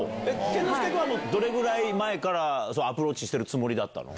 健之介君は、どれぐらい前からアプローチしてるつもりだったの？